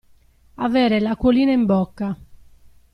Avere l'acquolina in bocca.